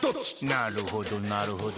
なるほどなるほど。